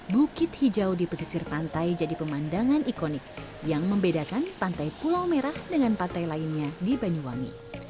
bukit hijau di pesisir pantai jadi pemandangan ikonik yang membedakan pantai pulau merah dengan pantai lainnya di banyuwangi